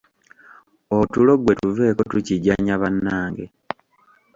Otulo gwe tuveeko tukijjanya bannange.